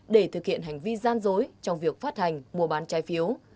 để thực hiện hành vi gian dối trong việc phát hành mùa bán trái phiếu